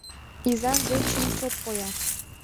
Изаж дечын чот поя.